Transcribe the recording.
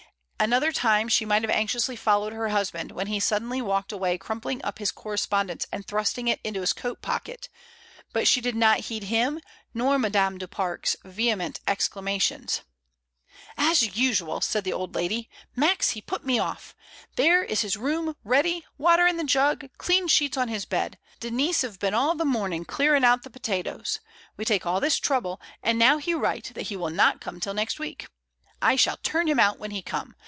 Another time she might have anxiously followed her husband, when he suddenly walked away cnmipling up his correspondence and thrusting it into his coat pocket, but she did not heed him, nor Madame du Parc's vehement exclamations. "As 4* 52 MRS. DYMOND. usual !^' said the old lady, "Max, he put me off. There is his room ready, water in the jug, dean sheets on his bed, Denise 'ave been all the morn ing clearing out the potatoes. We take all this trouble, and now he write that be will not come till next week. I shall turn him out when he come.